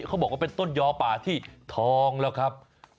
เขาบอกเป็นต้นยอป่าที่ทองนะครับ